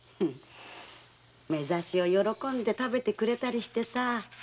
「めざし」を喜んで食べてくれたりしてさ。